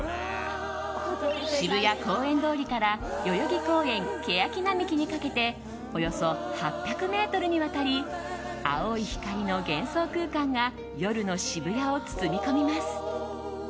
渋谷公園通りから代々木公園ケヤキ並木にかけておよそ８００ｍにわたり青い光の幻想空間が夜の渋谷を包み込みます。